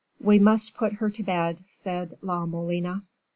"We must put her to bed," said La Molina.